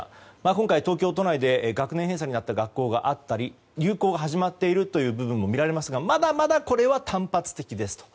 今回東京都内で学年閉鎖になった学校があったり流行が始まっているという部分も見られますがまだまだ、これは単発的ですと。